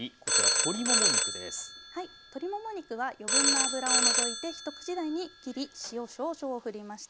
鶏もも肉は余分な脂を除いて一口大に切り塩少々をふりました。